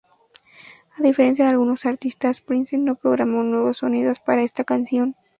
A diferencia de algunos artistas, Prince no programó nuevos sonidos para esta canción.